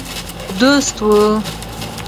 دوست وو.